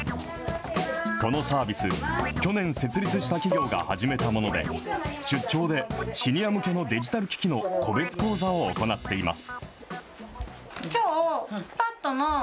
このサービス、去年設立した企業が始めたもので、出張でシニア向けのデジタル機器の個別講座を行っています。